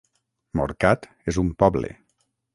Morcat és un poble.